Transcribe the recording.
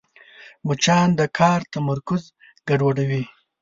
مچان د کار تمرکز ګډوډوي